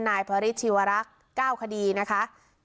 นายพระฤทธิวรักษ์๙คดีนะคะ